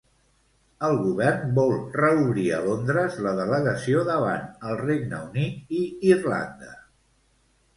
El govern vol reobrir a Londres la delegació davant el Regne Unit i Irlanda.